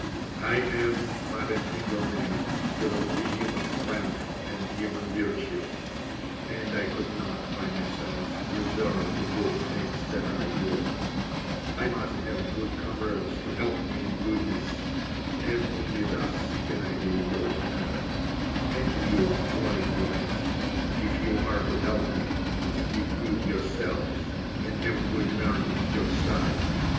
I am but a single man, with only human strength and human virtue, and I could not by myself preserve the good things that are yours: I must have good comrades to help me in goodness, and only thus can I be your defender; and you likewise, if you are to help me, must be good yourselves and have good men at your side.